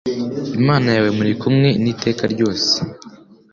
Imana yawe muri kumwe n iteka ryose